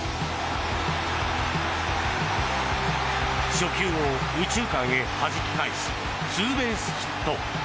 初球を右中間へはじき返しツーベースヒット。